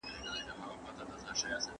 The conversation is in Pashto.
که تاريخ نه وي نو ملت هويت نلري.